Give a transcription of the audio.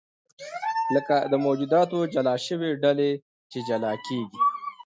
لکه د موجوداتو جلا شوې ډلې چې جلا کېږي.